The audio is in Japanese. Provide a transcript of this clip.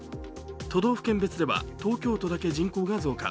都道府県別では東京都だけ人口が増加。